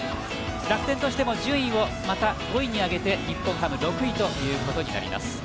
楽天としても順位を５位に上げて日本ハム６位ということになります。